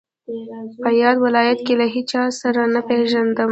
په یاد ولایت کې له هیچا سره نه پېژندم.